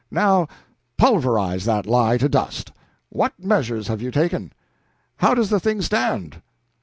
Now pulverize that lie to dust! What measures have you taken? How does the thing stand?"